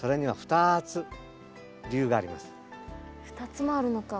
２つもあるのか。